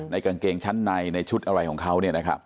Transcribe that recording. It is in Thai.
ในกางเกงชั้นในในชุดอะไรของเขาเนี่ยนะครับ